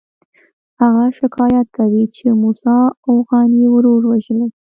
هغه شکایت کوي چې موسی اوغاني ورور وژلی.